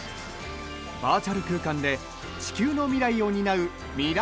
バーチャル空間で地球の未来を担う未来